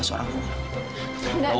aku bosan sama kamu